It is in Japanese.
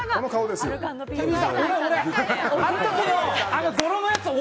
あの泥のやつ、俺！